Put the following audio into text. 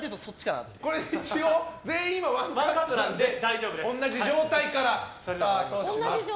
一応全員がワンカットなので同じ状態からスタートします。